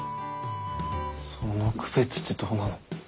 その区別ってどうなの？